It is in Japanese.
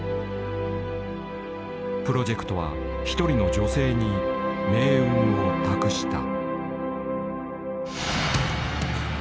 プロジェクトは一人の女性に命運を託した。